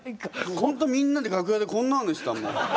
ホントみんなで楽屋でこんなんでしたもう。